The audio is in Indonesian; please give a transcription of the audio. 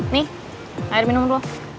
nih air minum dulu